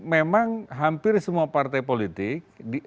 memang hampir semua partai politik